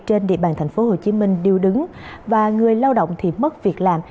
trên địa bàn thành phố hồ chí minh điêu đứng và người lao động thì mất việc làm